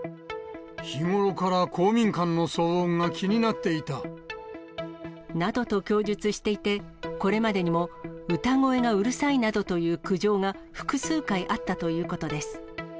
日頃から公民館の騒音が気になっていた。などと供述していて、これまでにも歌声がうるさいなどという苦情が複数回あったということです。